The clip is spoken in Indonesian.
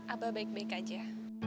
abah baik baik aja